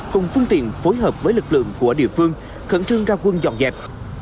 cùng phương tiện phối hợp với lực lượng của địa phương khẩn trương ra quân dọn dẹp